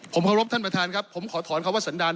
ผมเคารพท่านประธานครับผมขอถอนคำว่าสันดาล